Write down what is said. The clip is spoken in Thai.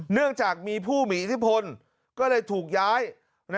เนื่องจากมีผู้มีอิทธิพลก็เลยถูกย้าย